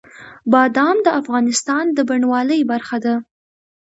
بادام د افغانستان د بڼوالۍ برخه ده.